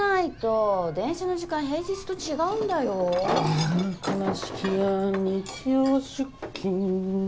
ああ悲しきや日曜出勤。